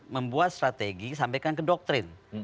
membuat strategi sampaikan ke doktrin